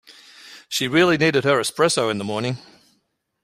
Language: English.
She really needed her espresso in the morning.